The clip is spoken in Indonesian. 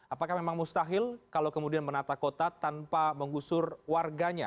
apakah memang mustahil kalau kemudian menata kota tanpa menggusur warganya